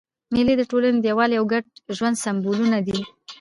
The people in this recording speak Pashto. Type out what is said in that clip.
مېلې د ټولني د یووالي او ګډ ژوند سېمبولونه دي.